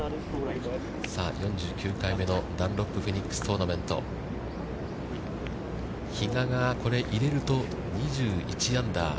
４９回目のダンロップフェニックストーナメント、比嘉がこれを入れると、２１アンダー。